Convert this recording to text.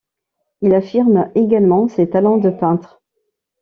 Il affirme également ses talents de peintre.